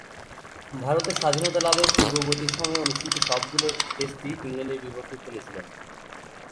ভারতের স্বাধীনতা লাভের পূর্ববর্তী সময়ে অনুষ্ঠিত সবগুলো টেস্টই ইংল্যান্ডের বিপক্ষে খেলেছিলেন।